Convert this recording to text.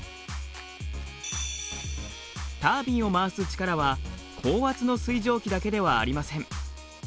タービンを回す力は高圧の水蒸気だけではありません。